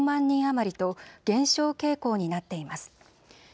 人余りと減少傾向になっています。